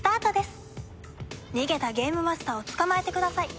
逃げたゲームマスターを捕まえてください。